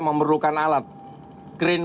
memerlukan alat krin